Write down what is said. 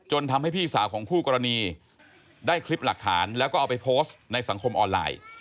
ให้คลิปหลักฐานแล้วก็เอาไปโพสต์ในสังคมออนไลน์